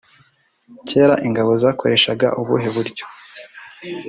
cyera ingabo zakoreshaga ubuhe buryo